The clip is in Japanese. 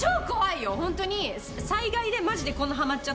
ホントに。